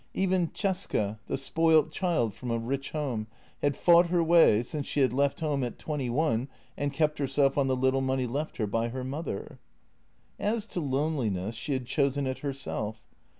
Even Cesca, the spoilt child from a rich home, had fought her way, since she had left home at twenty one and kept herself on the little money left her by her mother. As to loneliness, she had chosen it herself.